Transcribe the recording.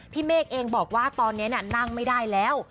เมฆเองบอกว่าตอนนี้นั่งไม่ได้แล้ว